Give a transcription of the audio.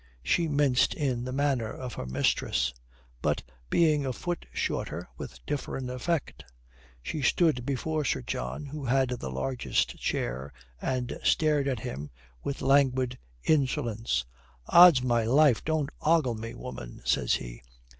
She minced in the manner of her mistress, but, being a foot shorter, with different effect. She stood before Sir John, who had the largest chair, and stared at him, with languid insolence. "Ods my life, don't ogle me, woman," says he.